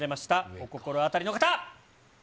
お心当たりの方。